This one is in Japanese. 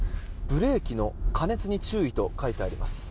ブレーキの過熱に注意と書いてあります。